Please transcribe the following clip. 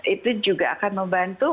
itu juga akan membantu